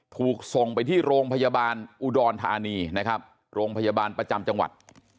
ถูกส่งไปที่โรงพยาบาลอุดรธานีนะครับโรงพยาบาลประจำจังหวัด